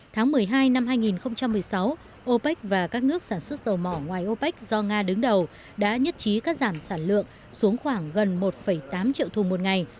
tháng một mươi hai năm hai nghìn một mươi sáu opec và các nước sản xuất dầu mỏ ngoài opec do nga đứng đầu đã nhất trí cắt giảm sản lượng xuống khoảng gần một tám triệu thùng một ngày